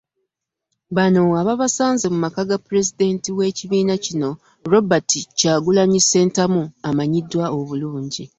Bano ababasanze mu maka ga Pulezidenti w'ekibiina kino, Robert Kyagulanyi Ssentamu amanyiddwa obulungi